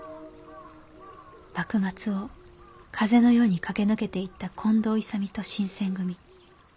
幕末を風のように駆け抜けていった近藤勇と新選組。